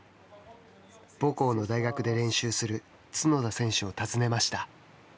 母校の大学で練習する角田選手を訪ねました。